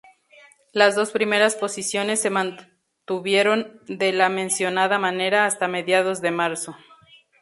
Las dos primeras posiciones se mantuvieron de la mencionada manera hasta mediados de marzo.